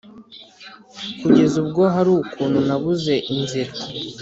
kugeza ubwo hari ukuntu nabuze inzira?